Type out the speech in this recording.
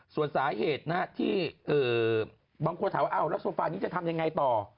ส่วนสาเหตุที่บางคนถามว่าอ้าวแล้วโซฟานี้จะทำยังไงต่อ